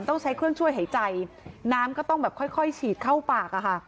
ต้องใช้เครื่องช่วยหายใจน้ำก็ต้องแบบค่อยฉีดเข้าปากอะค่ะ